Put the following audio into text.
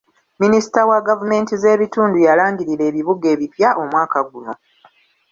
Minisita wa gavumenti z'ebitundu yalangirira ebibuga ebipya omwaka guno.